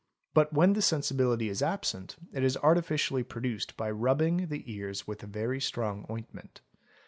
But, when this sensibility is absent, it is artificially produced by rubbing the ears with very strong ointment.